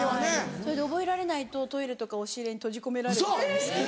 それで覚えられないとトイレとか押し入れに閉じ込められてたんですけど。